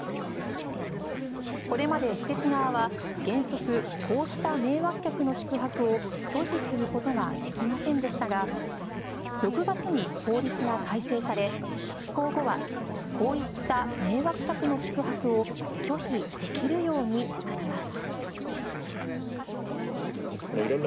これまで施設側は原則こうした迷惑客の宿泊を拒否することができませんでしたが６月に法律が改正され、施行後はこういった迷惑客の宿泊を拒否できるようになります。